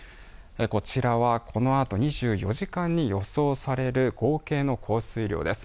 こちらはこのあと２４時間に予想される合計の降水量です。